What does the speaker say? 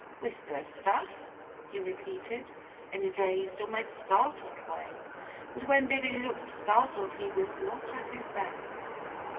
"Whisperer stuff?" he repeated, in a dazed, almost startled way; and when Billy looked startled he was not at his best.